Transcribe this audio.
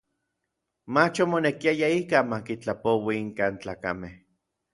Mach omonekiaya ikaj ma kitlapoui inkan tlakamej.